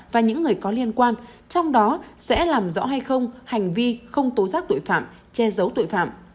và những người có liên quan trong đó sẽ làm rõ hay không hành vi không tố giác tội phạm che giấu tội phạm